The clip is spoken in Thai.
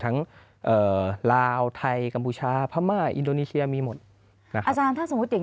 เอ่อลาวไทยกัมพูชาพม่าอินโดนีเชียมีหมดอาจารย์ถ้าสมมุติอย่าง